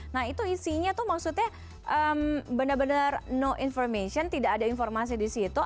nah itu isinya tuh maksudnya benar benar no information tidak ada informasi di situ